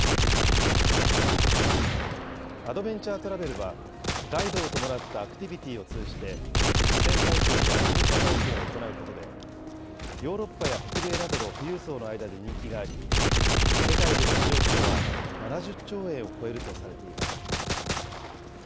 アドベンチャートラベルは、ガイドを伴ったアクティビティーを通じて、自然体験や異文化体験を行うことで、ヨーロッパや北米などの富裕層の間で人気があり、世界での市場規模は７０兆円を超えるとされています。